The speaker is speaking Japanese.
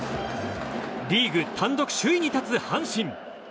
リーグ単独首位に立つ阪神。